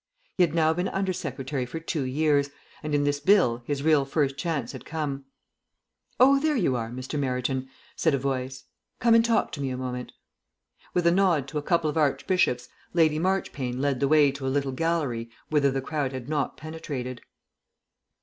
He had now been Under Secretary for two years, and in this Bill his first real chance had come. "Oh, there you are, Mr. Meryton," said a voice. "Come and talk to me a moment." With a nod to a couple of Archbishops Lady Marchpane led the way to a little gallery whither the crowd had not penetrated.